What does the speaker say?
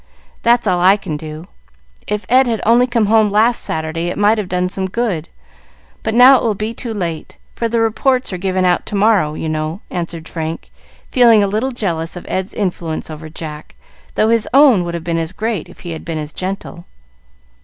That's all I can do. If Ed had only come home last Saturday it might have done some good, but now it will be too late; for the reports are given out to morrow, you know," answered Frank, feeling a little jealous of Ed's influence over Jack, though his own would have been as great if he had been as gentle.